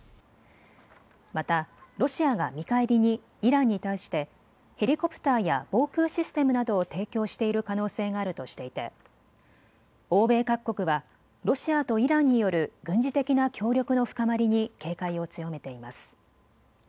またロシアが見返りにイランに対してヘリコプターや防空システムなどを提供している可能性があるとしていて欧米各国はロシアとイランによる軍事的な協力の深まりに警戒を強めています。